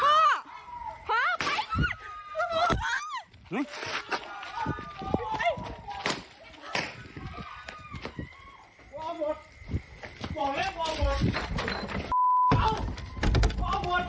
บอกแล้วบอกแล้วบอกแล้ว